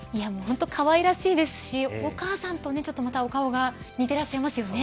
かわいらしいですしお母さんとちょっとお顔が似てらっしゃいますよね。